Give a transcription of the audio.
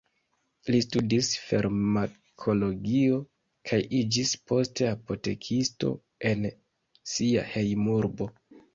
Li studis farmakologio kaj iĝis poste apotekisto en sia hejmurbo.